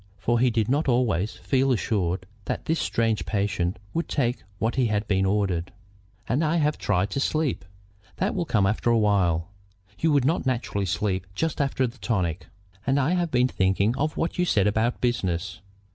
For he did not always feel assured that this strange patient would take what had been ordered. "And I have tried to sleep." "That will come after a while. You would not naturally sleep just after the tonic." "And I have been thinking of what you said about business.